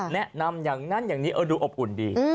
แนะนำอย่างนั้นอย่างนี้ดูอบอุ่นดี